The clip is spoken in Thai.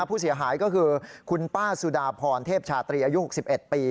ผู้เสียหายก็คือคุณป้าสุดาพรเทพชาตรีอายุ๖๑ปี